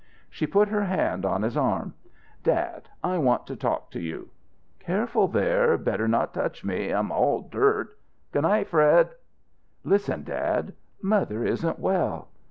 She put her hand on his arm. "Dad, I want to talk to you." "Careful there. Better not touch me. I'm all dirt. G'night, Fred." "Listen, dad. Mother isn't well."